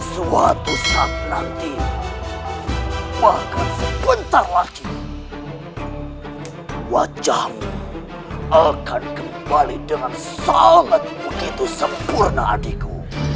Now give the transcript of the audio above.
suatu saat nanti bahkan sebentar lagi wajahmu akan kembali dengan sangat begitu sempurna adikku